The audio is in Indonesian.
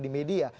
ada di media